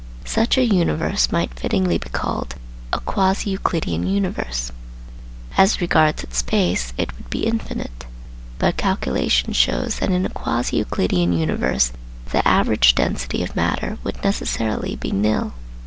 Such a universe might fittingly be called a quasi Euclidean universe. As regards its space it would be infinite. But calculation shows that in a quasi Euclidean universe the average density of matter would necessarily be nil.